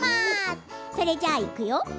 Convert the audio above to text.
それじゃあ、いくよ！